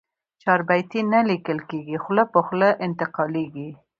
چاربیتې نه لیکل کېږي، خوله په خوله انتقالېږي.